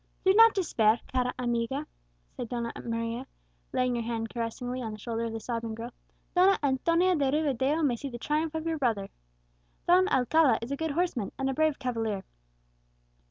"Do not despair, cara amiga," said Donna Maria, laying her hand caressingly on the shoulder of the sobbing girl; "Donna Antonia de Rivadeo may see the triumph of your brother. Don Alcala is a good horseman, and a brave cavalier."